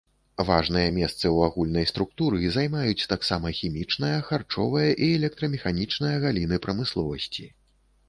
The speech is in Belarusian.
Важныя месцы ў агульнай структуры займаюць таксама хімічная, харчовая і электрамеханічная галіны прамысловасці.